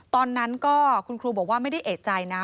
ตอนนั้นก็คุณครูบอกว่าไม่ได้เอกใจนะ